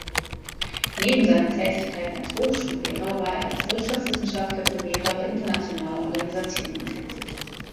Neben seinen Tätigkeiten als Hochschullehrer war er als Wirtschaftswissenschaftler für mehrere Internationale Organisationen tätig.